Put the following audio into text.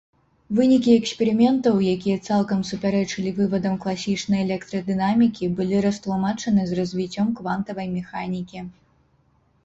Вынікі эксперыментаў, якія цалкам супярэчылі вывадам класічнай электрадынамікі, былі растлумачаны з развіццём квантавай механікі.